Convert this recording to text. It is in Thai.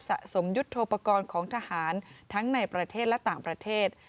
สะสมยุทธโปรกรณ์ของทหารทั้งในประเทศและต่างประเทศ